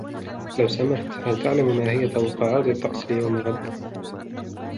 لو سمحت ، هل تعلم ما هي توقعات الطقس ليوم غد ؟